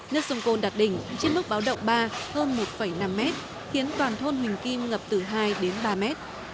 nước sông côn đạt đỉnh trên mức báo động ba hơn một năm mét khiến toàn thôn huỳnh kim ngập từ hai đến ba mét